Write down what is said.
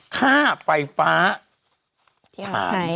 ๑ค่าไฟฟ้าที่เราใช้